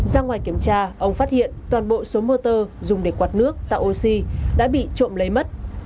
ra ngoài kiểm tra ông phát hiện toàn bộ số motor dùng để quạt nước tạo oxy đã bị trộm lấy mất